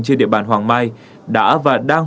trên địa bàn hoàng mai đã và đang